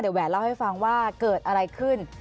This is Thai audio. แหวนเล่าให้ฟังว่าเกิดอะไรขึ้น